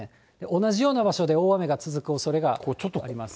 同じような場所で大雨が続くようなおそれがあります。